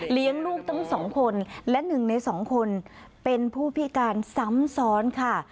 เลี้ยงลูกตั้งสองคนและหนึ่งในสองคนเป็นผู้พิการซ้ำซ้อนค่ะ